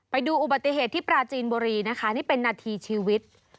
ไปดูอุบัติเหตุที่ปราจีนบุรีนะคะนี่เป็นนาทีชีวิต